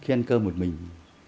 khi ăn cơm một mình